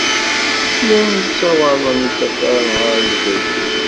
Llan ssawaḍen isafaren ɣer wegrir.